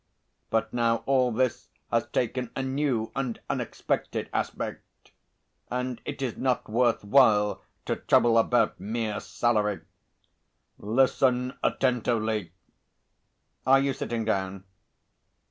But now all this has taken a new and unexpected aspect, and it is not worth while to trouble about mere salary. Listen attentively. Are you sitting down?"